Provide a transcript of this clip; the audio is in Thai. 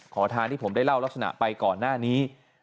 ขอทานที่ผมได้เล่าลักษณะไปก่อนหน้านี้